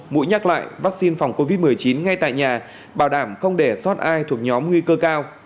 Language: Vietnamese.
mũi nhắc lại vaccine phòng covid một mươi chín ngay tại nhà bảo đảm không để sót ai thuộc nhóm nguy cơ cao